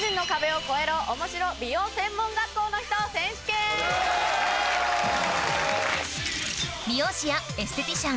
美容師やエステティシャン